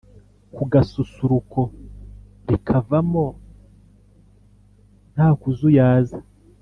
Ku gasusuruko rika vamo ntakuzuyaza